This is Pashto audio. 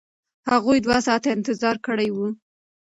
هغوی دوه ساعته انتظار کړی و.